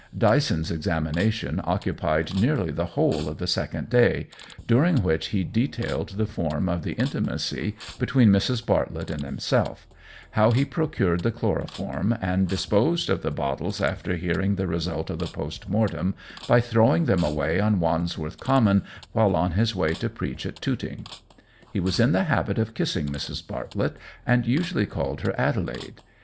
Dyson's examination occupied nearly the whole of the second day, during which he detailed the form of the intimacy between Mrs. Bartlett and himself; how he procured the chloroform and disposed of the bottles after hearing the result of the post mortem, by throwing them away on Wandsworth Common while on his way to preach at Tooting. He was in the habit of kissing Mrs. Bartlett, and usually called her Adelaide.